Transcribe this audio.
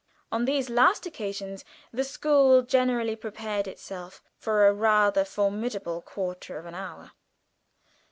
On these last occasions the school generally prepared itself for a rather formidable quarter of an hour.